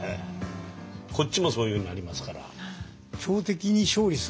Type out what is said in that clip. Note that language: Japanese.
こっちもそういうふうになりますから。